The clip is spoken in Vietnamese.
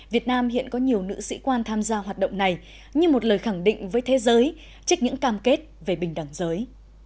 việt nam hiện có nhiều nữ sĩ quan tham gia hoạt động này như một lời khẳng định với thế giới trích những cam kết về bình đẳng giới